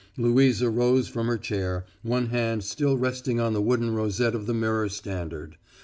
Louisa rose from her chair, one hand still resting on the wooden rosette of the mirror standard.